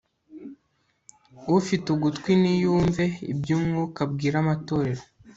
ufite ugutwi niyumve iby'umwuka abwira amatorero